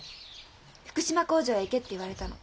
「福島工場へ行け」って言われたの。